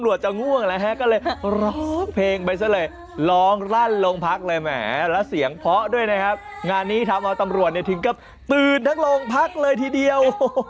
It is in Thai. รับเมื่อไม่สุดยารับตัวคือเขาแล้ว